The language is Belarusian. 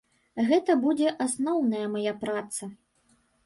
Гэта будзе асноўная мая праца.